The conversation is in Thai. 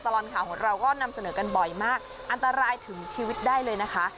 ตลอดข่าวของเราก็นำเสนอกันบ่อยมากอันตรายถึงชีวิตได้เลยนะคะ